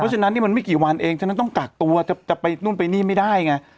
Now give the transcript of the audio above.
ฉะนั้นนี่มันไม่กี่วันเองฉะนั้นต้องกักตัวจะไปนู่นไปนี่ไม่ได้ไง